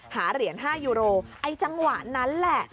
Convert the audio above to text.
หาเหรียญ๕ยูโรไอ้จังหวะนั้นแหละ